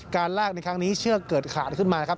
การลากในครั้งนี้เชือกเกิดขาดขึ้นมานะครับ